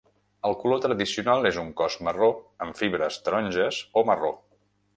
El color tradicional és un cos marró amb fibres taronja o marró.